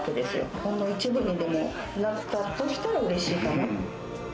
ほんの一部にでもなったとしたらうれしいと思う。